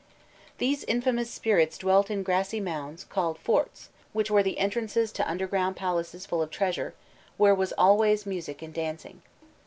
These infamous spirits dwelt in grassy mounds, called "forts," which were the entrances to underground palaces full of treasure, where was always music and dancing.